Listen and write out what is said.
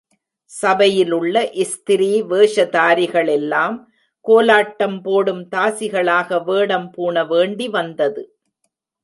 சபையிலுள்ள ஸ்திரீ வேஷதாரிகளெல்லாம் கோலாட்டம் போடும் தாசிகளாக வேடம் பூண வேண்டி வந்தது.